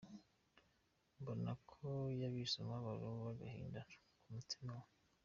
Mbona ko yabitse umubabaro n’agahinda ku mutima we.